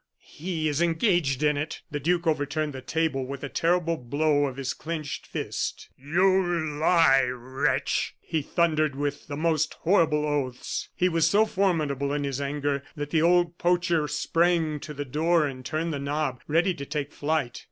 "He is engaged in it." The duke overturned the table with a terrible blow of his clinched fist. "You lie, wretch!" he thundered, with the most horrible oaths. He was so formidable in his anger that the old poacher sprang to the door and turned the knob, ready to take flight.